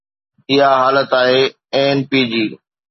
اها حالت آهي ANP جي.